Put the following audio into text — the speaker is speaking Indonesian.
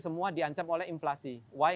semua di ancam oleh inflasi kenapa